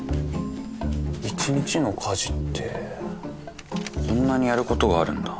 一日の家事ってこんなにやることがあるんだ。